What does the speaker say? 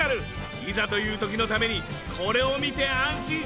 いざという時のためにこれを見て安心しよう！